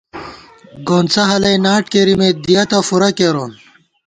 گونڅہ ہَلَئ ناٹ کېرِمېت ، دِیَتہ فُورہ کېرون